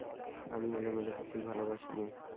আমি এলোমেলো কিছুই ভালোবাসি নে।